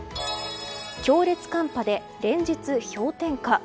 強烈寒波で連日氷点下。